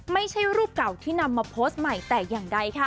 ไม่ใช่รูปเก่าที่นำมาโพสต์ใหม่แต่อย่างใดค่ะ